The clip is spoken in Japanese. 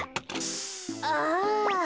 ああ。